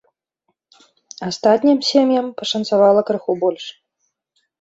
Астатнім сем'ям пашанцавала крыху больш.